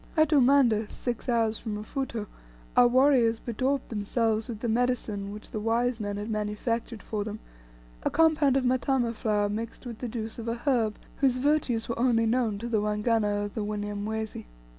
At Umanda, six hours from Mfuto, our warriors bedaubed themselves with the medicine which the wise men had manufactured for them a compound of matama flour mixed with the juices of a herb whose virtues were only known to the Waganga of the Wanyamwezi.